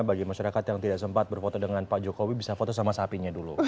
bagi masyarakat yang tidak sempat berfoto dengan pak jokowi bisa foto sama sapinya dulu